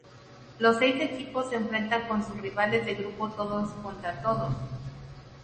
Los seis equipos se enfrentan con sus rivales de grupo todos contra todos.